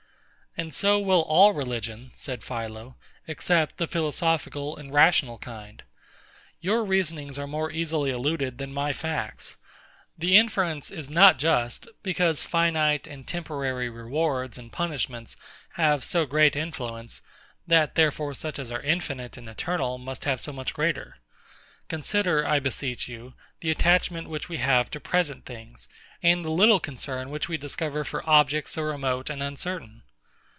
And so will all religion, said PHILO, except the philosophical and rational kind. Your reasonings are more easily eluded than my facts. The inference is not just, because finite and temporary rewards and punishments have so great influence, that therefore such as are infinite and eternal must have so much greater. Consider, I beseech you, the attachment which we have to present things, and the little concern which we discover for objects so remote and uncertain.